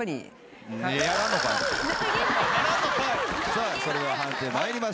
さあそれでは判定参りましょう。